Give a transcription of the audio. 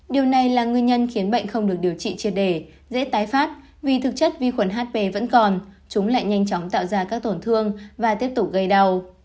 điều này là nguyên nhân khiến bệnh không được điều trị triệt đề dễ tái phát vì thực chất vi khuẩn hp vẫn còn chúng lại nhanh chóng tạo ra các tổn thương và tiếp tục gây đau